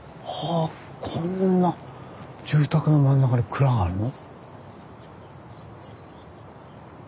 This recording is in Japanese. あこんな住宅の真ん中に蔵があるの。